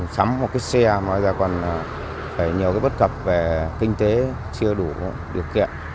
sắm một cái xe mà nói ra còn phải nhiều cái bất cập về kinh tế chưa đủ điều kiện